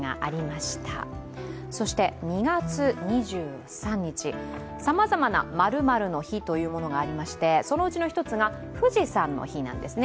そして、２月２３日、さまざまな○○の日というのがありましてそのうちの１つが富士山の日なんですね。